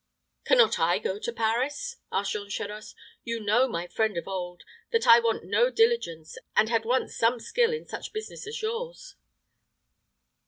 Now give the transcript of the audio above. "Can not I go to Paris?" asked Jean Charost. "You know, my friend of old, that I want no diligence, and had once some skill in such business as yours."